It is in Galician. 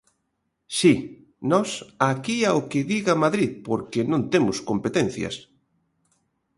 Si, nós aquí ao que diga Madrid porque non temos competencias.